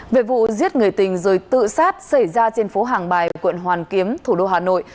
về vụ giết người tình rồi tự sát xảy ra trên phố hàng bài quận hoàn kiếm thủ đô hà nội